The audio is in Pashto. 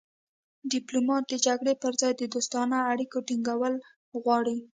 ډیپلومات د جګړې پر ځای د دوستانه اړیکو ټینګول غواړي